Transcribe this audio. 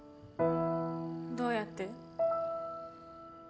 どうやって？